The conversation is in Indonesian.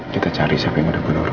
kita cari siapa yang udah bunuh roya